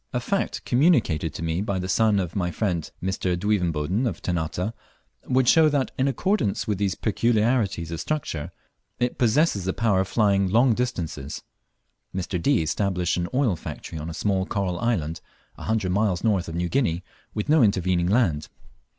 A fact communicated to me by the son of my friend Mr. Duivenboden of Ternate, would show that, in accordance with these peculiarities of structure, it possesses the power of flying long distances. Mr. D. established an oil factory on a small coral island, a hundred miles north of New Guinea, with no intervening land.